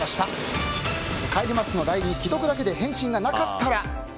帰りますのＬＩＮＥに既読だけで返信がなかったら。